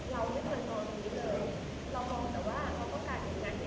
สวัสดีครับสวัสดีครับ